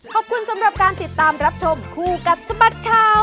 ขอบคุณสำหรับการติดตามรับชมคู่กับสบัดข่าว